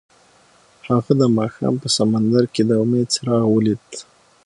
هغه د ماښام په سمندر کې د امید څراغ ولید.